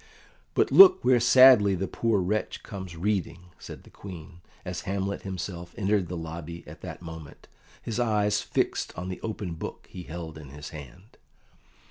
"But look where sadly the poor wretch comes reading," said the Queen, as Hamlet himself entered the lobby at that moment, his eyes fixed on the open book he held in his hand.